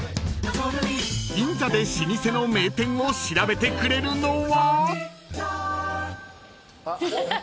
［銀座で老舗の名店を調べてくれるのは］